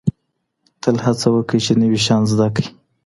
تل هڅه وکړئ چي نوي شیان زده کړئ.